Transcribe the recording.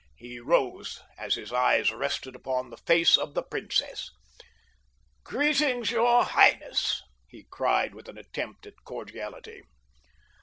He rose as his eyes rested upon the face of the princess. "Greetings, your highness," he cried with an attempt at cordiality.